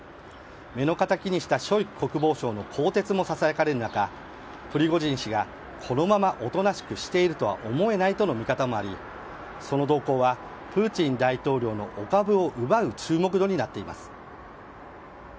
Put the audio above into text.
目のかたきにしたショイグ国防省の更迭もささやかれる中プリゴジン氏が、このままおとなしくしているとは思えないとの見方もありその動向がプーチン大統領のお株を奪う注目度になっています。